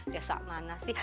desa mana sih